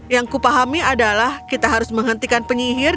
yang kupahami adalah kita harus menghentikan penyihir